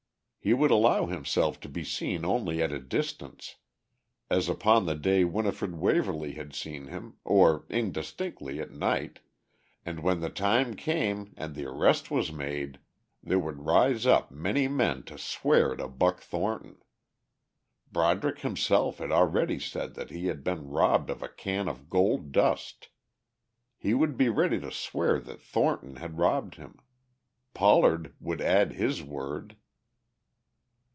He would allow himself to be seen only at a distance, as upon the day Winifred Waverly had seen him, or indistinctly at night, and when the time came and the arrest was made there would rise up many men to swear to Buck Thornton.... Broderick himself had already said that he had been robbed of a can of gold dust. He would be ready to swear that Thornton had robbed him. Pollard would add his word....